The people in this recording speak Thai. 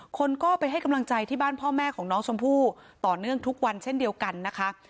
คนก็ไปให้กำลังใจที่บ้านพ่อแม่ของน้องชมพู่ต่อเนื่องทุกวันเช่นเดียวกันนะคะ